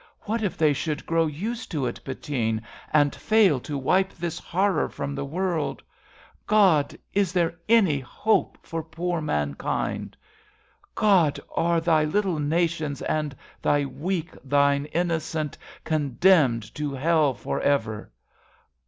What if they should grow used to it, Bettine, And fail to wipe this horror from the world ? God, is there any hope for poor man kind ? God, are Thy little nations and Thy weak, Thine innocent, condemned to hell for ever?